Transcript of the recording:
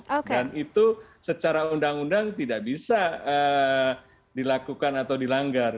dan itu secara undang undang tidak bisa dilakukan atau dilanggar